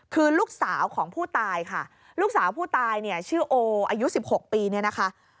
คือลูกสาวของผู้ตายค่ะลูกสาวผู้ตายเนี่ยชื่อโออายุ๑๖ปีเนี่ยนะคะ